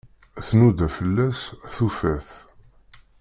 Tnuda fell-as, tufa-t.